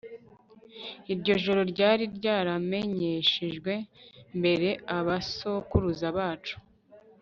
iryo joro ryari ryaramenyeshejwe mbere abasokuruza bacu